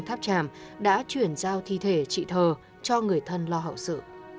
tháp tràm đã chuyển giao thi thể chị thờ cho người thân lo hậu sự